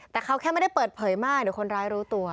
แต่เขาแค่ไม่ได้เปิดเผยมากเดี๋ยวคนร้ายรู้ตัว